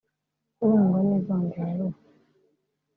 urangwa n’ivanguraruhu